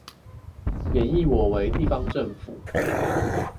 貶抑我為地方放府